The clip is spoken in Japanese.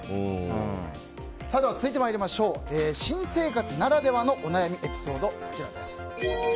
続いては新生活ならではのお悩みエピソードです。